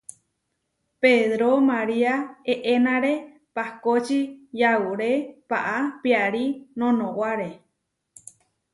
Pedró María eʼenáre pahkóči yauré paʼá piarí nonowáre.